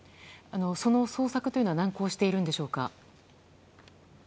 その捜索というのは難航しているんでしょうか。